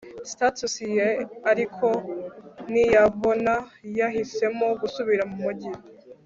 status ye ariko ntiyabona, yahisemo gusubira mu mujyi